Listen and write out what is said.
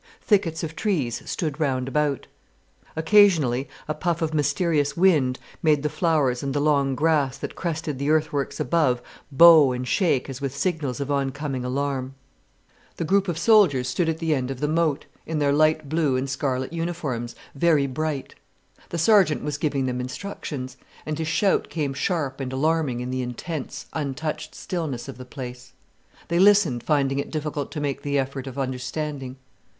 Thickets of trees stood round about. Occasionally a puff of mysterious wind made the flowers and the long grass that crested the earthworks above bow and shake as with signals of oncoming alarm. The group of soldiers stood at the end of the moat, in their light blue and scarlet uniforms, very bright. The sergeant was giving them instructions, and his shout came sharp and alarming in the intense, untouched stillness of the place. They listened, finding it difficult to make the effort of understanding.